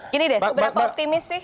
gini deh seberapa optimis sih